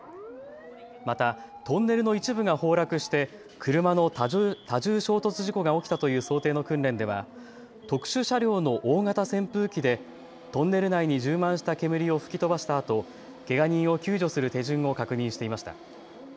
またトンネルの一部が崩落して車の多重衝突事故が起きたという想定の訓練では特殊車両の大型扇風機でトンネル内に充満した煙を吹き飛ばしたあとけが人を救助する手順を確認していました。